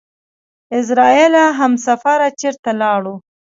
اعزرائيله همسفره چېرته لاړو؟!